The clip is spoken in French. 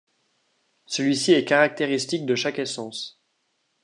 Celui-ci est caractéristique de chaque essence.